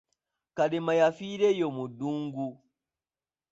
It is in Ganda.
Kalema yafiira eyo mu ddungu.